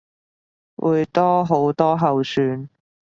會多好多候選